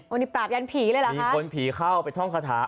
อันนี้ปราบยันผีเลยเหรอมีคนผีเข้าไปท่องคาถา